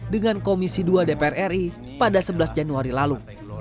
dengan komisi dua dpr ri pada sebelas januari lalu